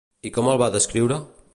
I com el va descriure?